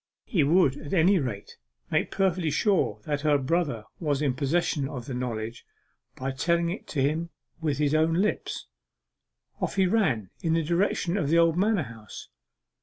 He would at any rate make perfectly sure that her brother was in possession of the knowledge, by telling it him with his own lips. Off he ran in the direction of the old manor house.